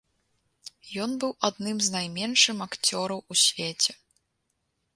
Ён быў адным з найменшым акцёраў у свеце.